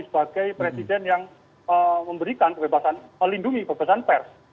sebagai presiden yang memberikan kebebasan melindungi kebebasan pers